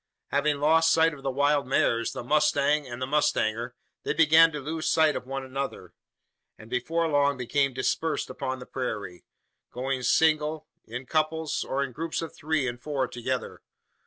Having lost sight of the wild mares, the mustang, and the mustanger, they began to lose sight of one another; and before long became dispersed upon the prairie going single, in couples, or in groups of three and four together.